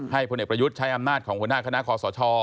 พลเอกประยุทธ์ใช้อำนาจของหัวหน้าคณะคอสช